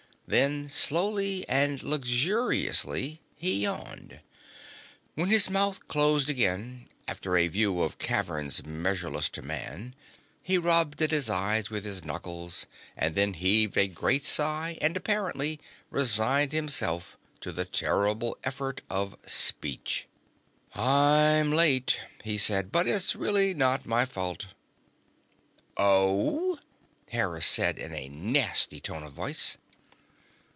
Then, slowly and luxuriously, he yawned. When his mouth closed again, after a view of caverns measureless to man, he rubbed at his eyes with his knuckles, and then heaved a great sigh and, apparently, resigned himself to the terrible effort of speech. "I'm late," he said. "But it's really not my fault." "Oh?" Hera said in a nasty tone of voice.